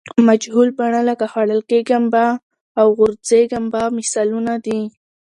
مجهول بڼه لکه خوړل کیږم به او غورځېږم به مثالونه دي.